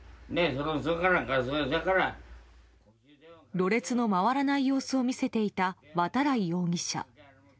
ろれつの回らない様子を見せていた、渡来容疑者。